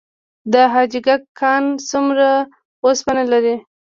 د حاجي ګک کان څومره وسپنه لري؟